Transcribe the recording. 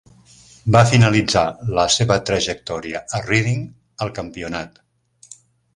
Va finalitzar la seva trajectòria a Reading al campionat.